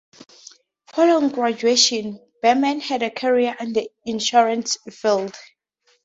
Following graduation, Beman had a career in the insurance field.